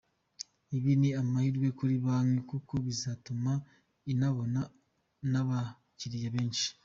Ibi ni amahirwe kuri banki kuko bizatuma inabona n’abakiliya benshi.